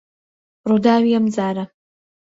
ڕووداوی ئەم جارە